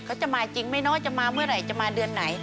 เขาจะมาจริงไม่น้อยจะมาเมื่อไหร่จะมาเดือนไหน